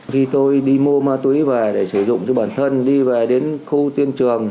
khi tôi đi mua ma túy về để sử dụng cho bản thân đi về đến khu tuyên trường